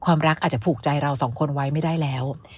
รักอาจจะผูกใจเราสองคนไว้ไม่ได้แล้ว